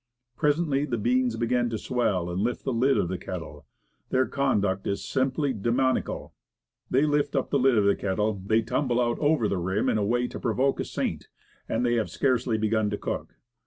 Presently the beans begin to swell and lift the lid of the kettle; their conduct is simply demoniacal. They lift up the lid of the kettle, they tumble out over the rim in a way to provoke a saint, and they have scarcely begun to cook.